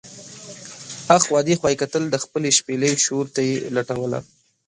اخوا دې خوا یې کتل، د خپلې شپېلۍ شور ته یې لټوله.